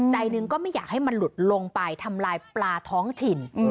ใจหนึ่งก็ไม่อยากให้มันหลุดลงไปทำลายปลาท้องถิ่น